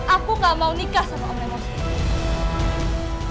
aku gak mau nikah sama om lemos